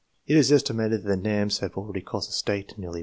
It is estimated that the Nams have already cost the State nearly $1, 500,000.'